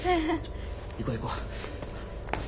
行こう行こう。